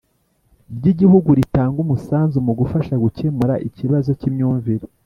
ry’igihugu ritanga umusanzu mu gufasha gukemura ikibazo k’imyumvire